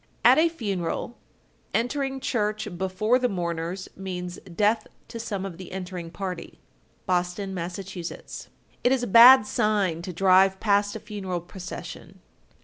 At a funeral, entering church before the mourners means death to some of the entering party. Boston, Mass. 1257. It is a bad sign to drive past a funeral procession.